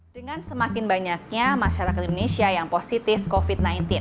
dengan semakin banyaknya masyarakat indonesia yang positif covid sembilan belas